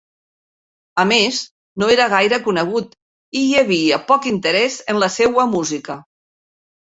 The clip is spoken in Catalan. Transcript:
A més, no era gaire conegut i hi havia poc interès en la seua música.